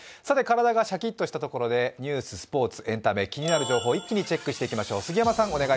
さて、体がシャキッとしたところでニュース、スポーツ、エンタメ気になる情報を一気にチェックしていきましょう。